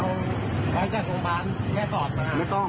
แม่จ้างโรงบาลแม่สอบนะ